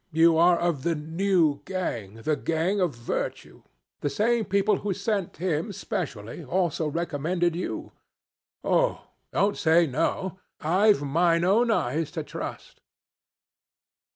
You are of the new gang the gang of virtue. The same people who sent him specially also recommended you. Oh, don't say no. I've my own eyes to trust.'